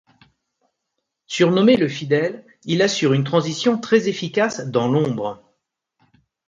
Surnommé le fidèle, il assure une transition très efficace dans l'ombre.